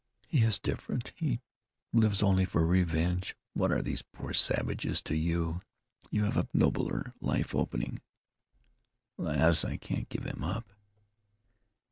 "He is different; he lives only for revenge. What are those poor savages to you? You have a better, nobler life opening." "Lass, I can't give him up."